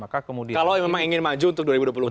kalau memang ingin maju untuk dua ribu dua puluh empat